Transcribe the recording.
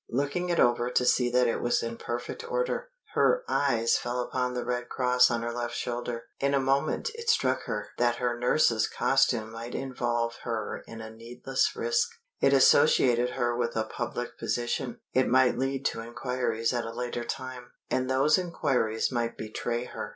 Looking it over to see that it was in perfect order, her eyes fell upon the red cross on her left shoulder. In a moment it struck her that her nurse's costume might involve her in a needless risk. It associated her with a public position; it might lead to inquiries at a later time, and those inquiries might betray her.